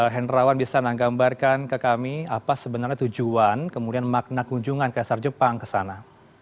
henrawan bisa menggambarkan ke kami apa sebenarnya tujuan kemudian makna kunjungan kaisar jepang ke sana